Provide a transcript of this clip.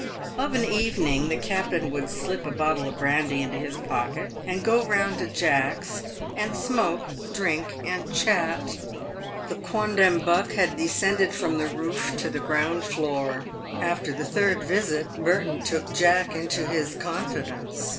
Of an evening the captain would slip a bottle of brandy into his pocket and go round to Jack's, and smoke, drink, and chat. The quondam buck had descended from the roof to the ground floor. After the third visit, Merton took Jack into his confidence.